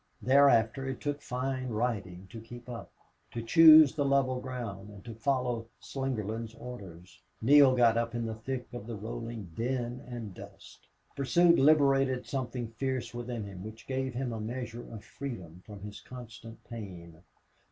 Thereafter it took fine riding to keep up, to choose the level ground, and to follow Slingerland's orders. Neale got up in the thick of the rolling din and dust. The pursuit liberated something fierce within him which gave him a measure of freedom from his constant pain.